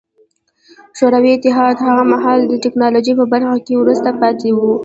شوروي اتحاد هغه مهال د ټکنالوژۍ په برخه کې وروسته پاتې و